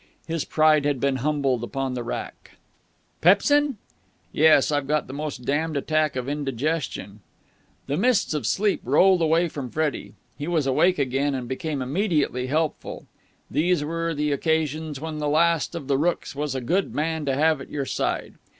His pride had been humbled upon the rack. "Pepsin?" "Yes. I've got the most damned attack of indigestion." The mists of sleep rolled away from Freddie. He was awake again, and became immediately helpful. These were the occasions when the Last of the Rookes was a good man to have at your side.